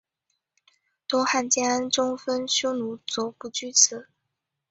东汉建安中分匈奴左部居此。